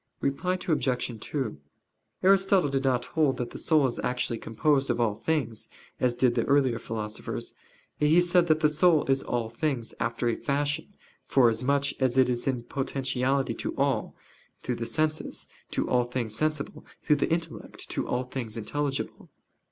Reply Obj. 2: Aristotle did not hold that the soul is actually composed of all things, as did the earlier philosophers; he said that the soul is all things, "after a fashion," forasmuch as it is in potentiality to all through the senses, to all things sensible through the intellect, to all things intelligible.